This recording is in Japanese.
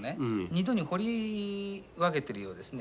２度に彫り分けてるようですね。